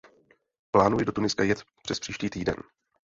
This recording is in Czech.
Plánuji do Tuniska jet přespříští týden.